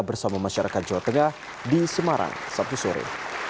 bersama masyarakat jawa tengah di semarang sabtu sore